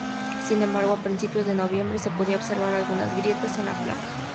Sin embargo, a principios de noviembre se podían observar algunas grietas en la placa.